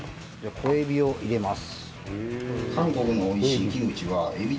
小エビを入れます。